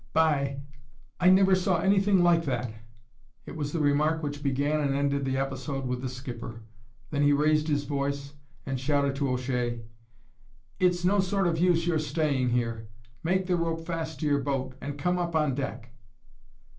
"By ! I never saw anything like that." It was the remark which began and ended the episode with the skipper. Then he raised his voice, and shouted to O'Shea: "It's no sort of use your staying here! Make the rope fast to your boat, and come up on deck!"